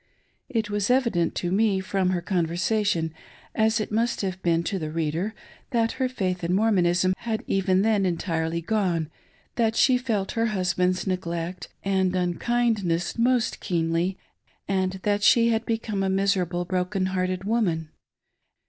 It was evident to me from her conversa S62 MARY BURTON. tion, as it must have been to the reader, that her faith in Morraonism had even then entirely gone, that she felt her husband's neglect and unkindness most keenly, and that she had become a miserable, broken hearted woman.